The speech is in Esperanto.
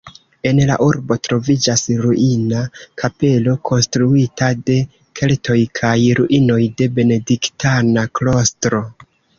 En la urbo troviĝas ruina kapelo konstruita de keltoj kaj ruinoj de benediktana klostro.